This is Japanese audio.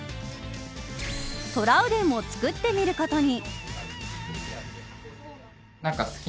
トラウデンも作ってみることに。